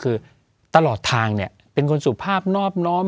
คือตลอดทางเนี่ยเป็นคนสุภาพนอบน้อม